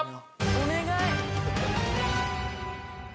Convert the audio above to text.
お願い。